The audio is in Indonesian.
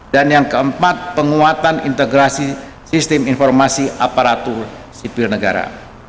dan yang keempat penguatan integrasi sistem informasi aparatur sipil negara